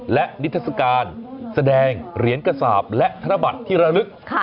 และนิทัศกาลแสดงเหรียญกระสาปและธนบัตรที่ระลึก